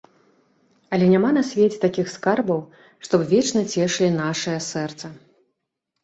Але няма на свеце такіх скарбаў, што б вечна цешылі нашае сэрца.